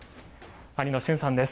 兄の俊さんです。